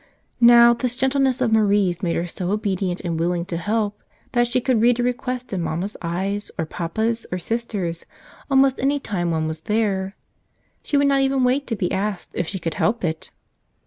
Now, this gentleness of Marie's made her so obedient and willing to help that she could read a request in mamma's eyes, or papa's, or sister's, almost any time one was there. She would not even wait to be asked, if she could help it.